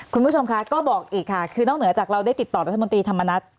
คุณผู้ชมคะก็บอกอีกค่ะคือนอกเหนือจากเราได้ติดต่อรัฐมนตรีธรรมนัฐ